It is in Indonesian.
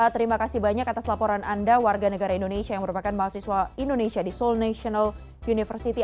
terima kasih banyak atas laporan anda warga negara indonesia yang merupakan mahasiswa indonesia di seoul national university